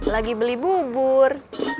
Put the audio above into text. lagi beli bubur